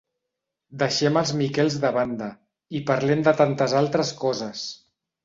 Deixem els Miquels de banda, i parlem de tantes altres coses.